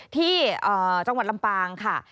ที่จังหวัดลำปางค่ะ